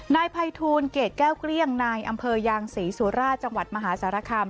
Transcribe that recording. นายภัยทูลเกรดแก้วเกลี้ยงนายอำเภอยางศรีสุราชจังหวัดมหาสารคาม